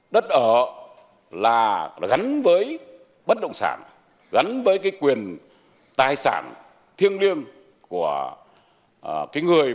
đất ở là gắn với bất đồng sản gắn với quyền tài sản thiêng liêng